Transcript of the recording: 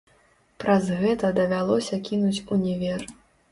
Праз гэта давялося кінуць універ!